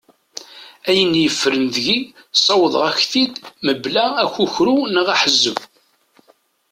Ayen yeffren deg-i ssawḍeɣ-ak-t-id mebla akukru neɣ ahezzeb.